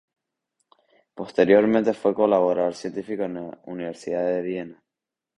Posteriormente fue colaborador científico en la Universidad de Viena.